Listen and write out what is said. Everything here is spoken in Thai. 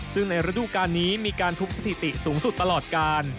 ซึ่งในฤดูการนี้มีการทุบสถิติสูงสุดตลอดการ